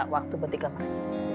waktu bertiga hari